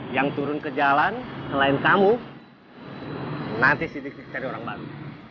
yang turun ke jalan selain kamu nanti si dik dik cari orang baru